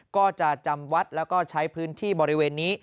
ก็จะจำวัดแล้วก็ใช้พื้นที่บริเวณนี้